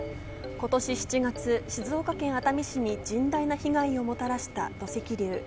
今年７月、静岡県熱海市に甚大な被害をもたらした土石流。